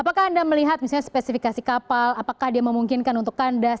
apakah anda melihat misalnya spesifikasi kapal apakah dia memungkinkan untuk kandas